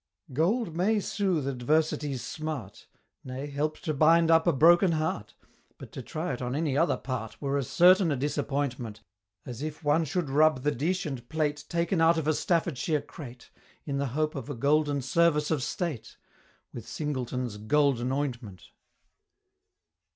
Gold may soothe Adversity's smart; Nay, help to bind up a broken heart; But to try it on any other part Were as certain a disappointment, As if one should rub the dish and plate, Taken out of a Staffordshire crate In the hope of a Golden Service of State With Singleton's "Golden Ointment."